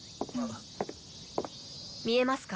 見えますか？